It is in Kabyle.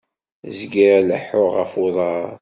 Zgiɣ leḥḥuɣ ɣef uḍar.